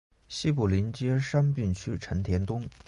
西部邻接杉并区成田东。